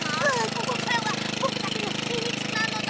ここからはぼくだけのひみつなのだ！